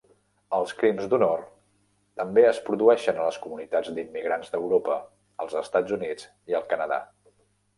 Els crims d'honor també es produeixen a les comunitats d'immigrants d'Europa, els Estats Units i el Canadà.